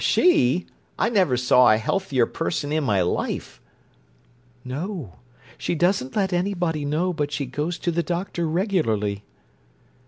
"She! I never saw a healthier person in my life." "No. She doesn't let anybody know, but she goes to the doctor regularly."